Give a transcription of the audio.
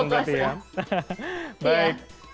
iya baru saja buka puasa